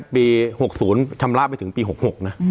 ปี๖๐ชำระไปถึงปี๖๖นะ